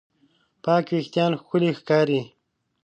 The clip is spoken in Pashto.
پاک وېښتيان ښکلي ښکاري.